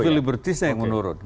sipil libertisnya yang menurun